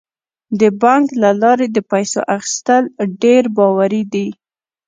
د بانک له لارې د پیسو اخیستل ډیر باوري دي.